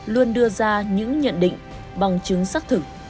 luôn đưa ra những nhận định bằng chứng xác thực